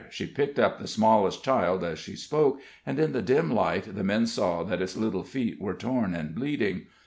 She picked up the smallest child as she spoke, and in the dim light the men saw that its little feet were torn and bleeding.